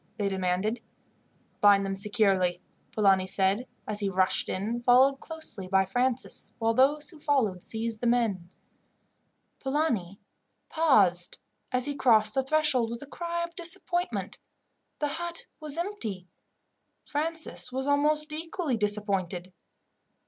they demanded. "Bind them securely," Polani said, as he rushed in, followed closely by Francis, while those who followed seized the men. Polani paused as he crossed the threshold, with a cry of disappointment the hut was empty. Francis was almost equally disappointed.